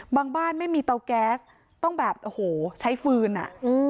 บ้านไม่มีเตาแก๊สต้องแบบโอ้โหใช้ฟืนอ่ะ